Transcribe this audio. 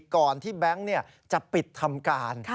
ก่อนที่แบงค์จะปิดทำการ